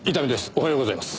おはようございます。